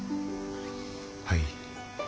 はい。